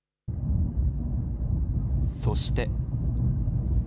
そして。